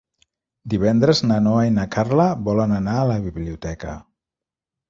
Divendres na Noa i na Carla volen anar a la biblioteca.